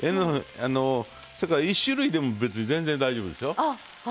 それから１種類でも別に全然大丈夫ですよ。